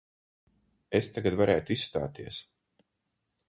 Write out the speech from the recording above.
Es tagad varētu izstāties.